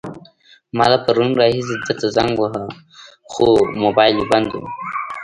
ما له پرون راهيسې درته زنګ وهلو، خو موبايل دې بند وو.